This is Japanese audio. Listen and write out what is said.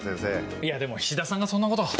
いやでも菱田さんがそんなこと。